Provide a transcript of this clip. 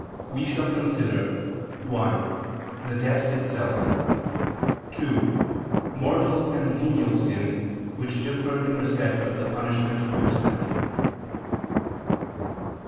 We shall consider (1) the debt itself; (2) mortal and venial sin, which differ in respect of the punishment due to them.